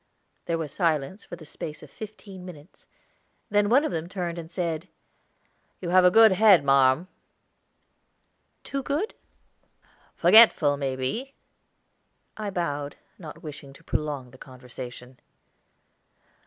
There was silence for the space of fifteen minutes, then one of them turned and said: "You have a good head, marm." "Too good?" "Forgetful, may be." I bowed, not wishing to prolong the conversation.